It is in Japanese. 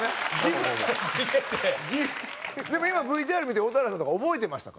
でも今ＶＴＲ見て蛍原さん覚えてましたか？